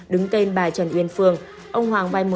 đứng tên bà trần yên phương